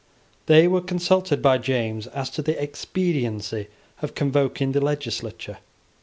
They were consulted by James as to the expediency of convoking the legislature.